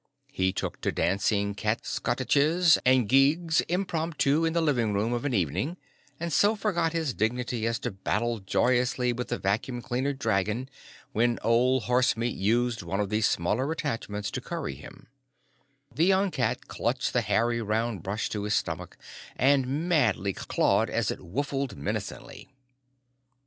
He took to dancing cat schottisches and gigues impromptu in the living room of an evening and so forgot his dignity as to battle joyously with the vacuum cleaner dragon when Old Horsemeat used one of the smaller attachments to curry him; the young cat clutched the hairy round brush to his stomach and madly clawed it as it whuffled menacingly.